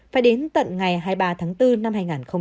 phải đến tận ngày hai mươi ba tháng bốn năm hai nghìn hai mươi